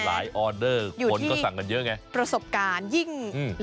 หลายออเดอร์คนก็สั่งกันเยอะไงอยู่ที่ประสบการณ์ยิ่งอืม